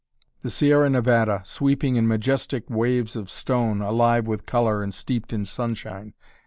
The Sierra Nevada, sweeping in majestic waves of stone, alive with color and steeped in sunshine.